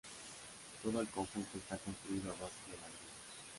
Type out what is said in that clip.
Todo el conjunto está construido a base de ladrillos.